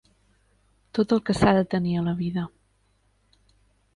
Tot el que s'ha de tenir a la vida